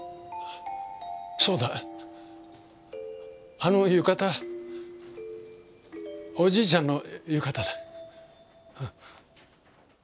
あの浴衣おじいちゃんの浴衣だ。